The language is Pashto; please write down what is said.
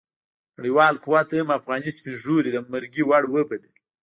نړیوال قوت هم افغاني سپين ږيري د مرګي وړ وبلل.